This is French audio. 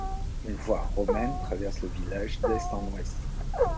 Une voie romaine traverse le village d'est en ouest.